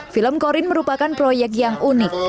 film corin merupakan proyek yang unik